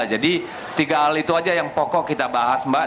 jadi tiga hal itu aja yang pokok kita bahas mbak